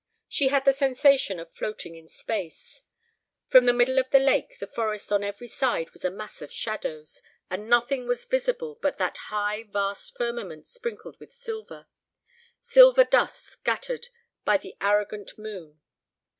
She had the sensation of floating in space. From the middle of the lake the forest on every side was a mass of shadows, and nothing was visible but that high vast firmament sprinkled with silver silver dust scattered by the arrogant moon.